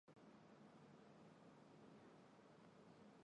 米底捷斯基球场的姓氏命名。